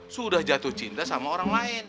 sudah jatuh cinta sama orang lain